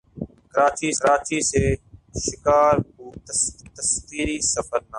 کراچی سے شکارپور تصویری سفرنامہ